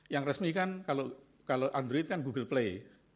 yang resmi kan kalau android kan google play